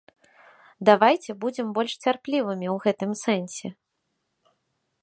Давайце будзем больш цярплівымі ў гэтым сэнсе.